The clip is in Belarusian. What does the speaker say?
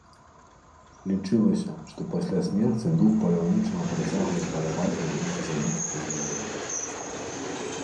Лічылася, што пасля смерці дух паляўнічага працягвае паляваць на душы забітых ім жывёл.